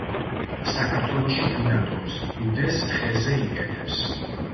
საქართველოში ბინადრობს, ბუდეს ხეზე იკეთებს.